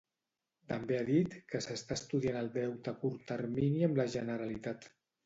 També ha dit que s'està estudiant el deute a curt termini amb la Generalitat.